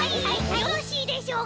よろしいでしょうか？